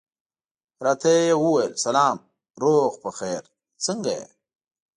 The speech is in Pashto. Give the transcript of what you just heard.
راته یې وویل سلام، روغ په خیر، څنګه یې؟